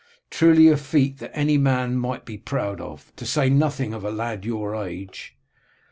Truly a feat that any man might be proud of, to say nothing of a lad of your age.